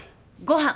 ご飯。